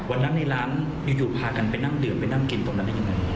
วันนั้นในร้านอยู่พากันไปนั่งดื่มไปนั่งกินตรงนั้นได้ยังไง